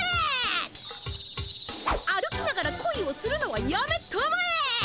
歩きながらこいをするのはやめたまえ！